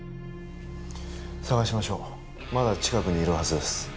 捜しましょうまだ近くにいるはずです